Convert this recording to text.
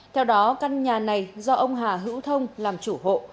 theo đó căn nhà này do ông hà hữu thông làm chủ hộ